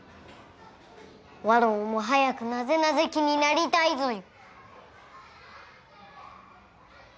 わらわも早く「なぜなぜ期」になりたいぞよ。